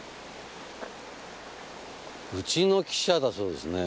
ウチの記者だそうですね。